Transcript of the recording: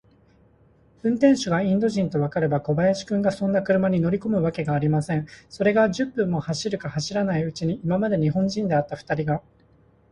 運転手がインド人とわかれば、小林君がそんな車に乗りこむわけがありません。それが、十分も走るか走らないうちに、今まで日本人であったふたりが、